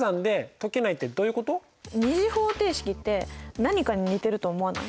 ２次方程式って何かに似てると思わない？